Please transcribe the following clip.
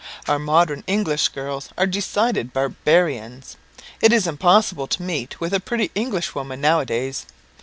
Our modern English girls are decided barbarians. It is impossible to meet with a pretty English woman now a days.